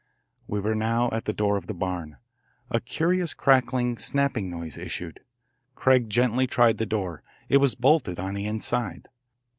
We were now at the door of the barn. A curious crackling, snapping noise issued. Craig gently tried the door. It was bolted on the inside.